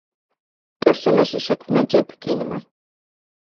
პერსონაჟი შექმნა ჯეფ კინმა.